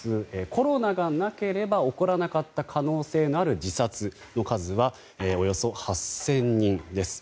コロナがなければ起こらなかった可能性のある自殺の数はおよそ８０００人です。